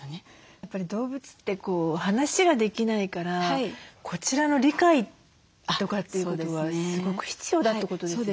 やっぱり動物って話ができないからこちらの理解とかっていうことはすごく必要だってことですよね？